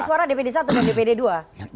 kan di pemilih suara dpd satu dan dpd dua